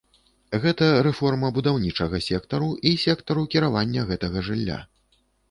Гэта рэформа будаўнічага сектару і сектару кіравання гэтага жылля.